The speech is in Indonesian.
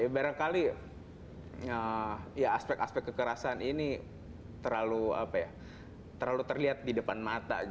barangkali ya aspek aspek kekerasan ini terlalu terlihat di depan mata